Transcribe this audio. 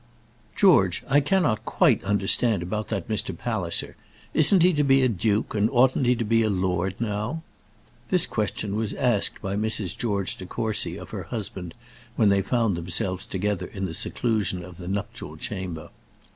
"George, I cannot quite understand about that Mr. Palliser. Isn't he to be a duke, and oughtn't he to be a lord now?" This question was asked by Mrs. George De Courcy of her husband, when they found themselves together in the seclusion of the nuptial chamber.